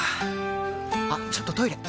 あっちょっとトイレ！